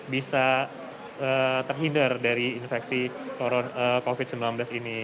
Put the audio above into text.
bisa terhindar dari infeksi covid sembilan belas ini